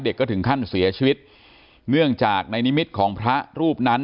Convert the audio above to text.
ก็ถึงขั้นเสียชีวิตเนื่องจากในนิมิตของพระรูปนั้น